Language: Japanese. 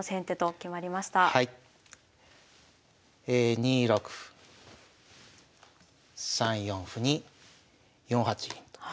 ２六歩３四歩に４八銀と。